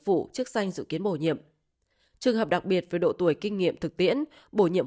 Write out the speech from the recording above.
vụ chức danh dự kiến bổ nhiệm trường hợp đặc biệt về độ tuổi kinh nghiệm thực tiễn bổ nhiệm